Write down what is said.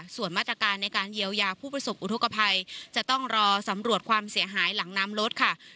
ส่วนมาตรการในการเยียวยาผู้ประสบอุทธกภัยจะต้องรอสำรวจความเสียหายหลังน้ำรถค่ะ